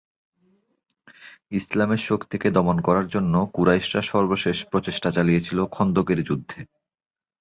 ইসলামের শক্তিকে দমন করার জন্য কুরাইশরা সর্বশেষ প্রচেষ্টা চালিয়েছিল খন্দকের যুদ্ধে।